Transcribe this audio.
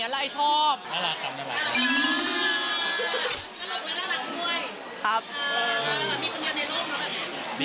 นั่งไม้ไม่